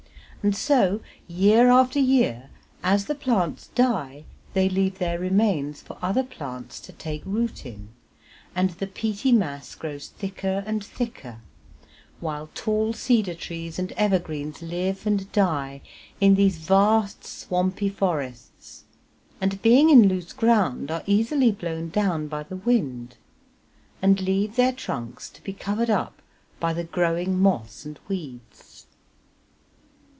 And so year after year as the plants die they leave their remains for other plants to take root in, and the peaty mass grows thicker and thicker, while tall cedar trees and evergreens live and die in these vast, swampy forests, and being in loose ground are easily blown down by the wind, and leave their trunks to be covered up by the growing moss and weeds.